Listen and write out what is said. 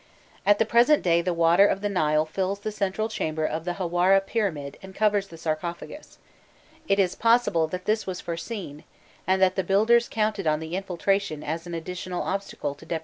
At the present day the water of the Nile fills the central chamber of the Hawâra pyramid and covers the sarcophagus; it is possible that this was foreseen, and that the builders counted on the infiltration as an additional obstacle to depredations from without.